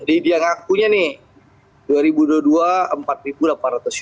jadi dia ngakunya nih